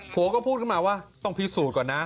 ผัวก็พูดขึ้นมาว่าต้องพิสูจน์ก่อนนะ